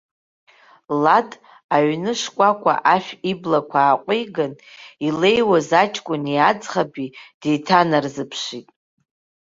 Лад, аҩны шкәакәа ашә иблақәа ааҟәиган, илеиуаз аҷкәыни аӡӷаби деиҭанарзыԥшит.